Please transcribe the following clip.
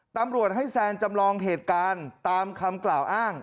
ตำรวจให้แซนจำลองเหตุการณ์ตามคำกล่าวอ้าง